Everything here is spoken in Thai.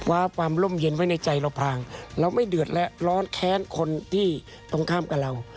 ความร่มเย็นไว้ในใจเราพรางเราไม่เดือดและร้อนแค้นคนที่ตรงข้ามกับเรา